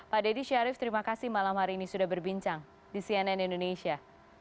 pak deddy syarif terima kasih malam hari ini sudah berbincang di cnn indonesia